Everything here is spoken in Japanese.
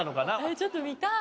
ちょっと見たい！